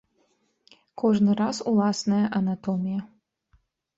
Кожны раз уласная анатомія.